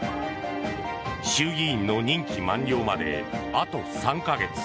衆議院の任期満了まであと３か月。